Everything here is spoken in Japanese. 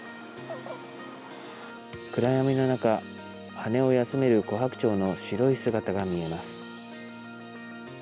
暗闇の中、羽を休めるコハクチョウの白い姿が見えます。